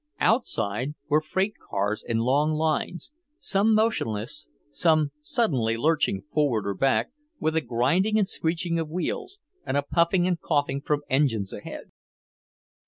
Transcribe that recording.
Outside were freight cars in long lines, some motionless, some suddenly lurching forward or back, with a grinding and screeching of wheels and a puffing and coughing from engines ahead.